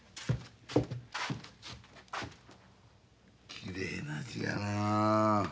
きれいな字やなあ。